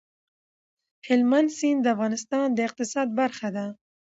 هلمند سیند د افغانستان د اقتصاد برخه ده.